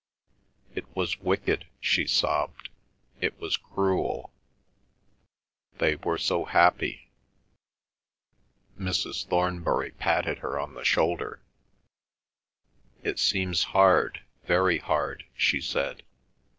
"It was wicked," she sobbed, "it was cruel—they were so happy." Mrs. Thornbury patted her on the shoulder. "It seems hard—very hard," she said.